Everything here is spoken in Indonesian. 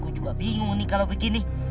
aku juga bingung nih kalau begini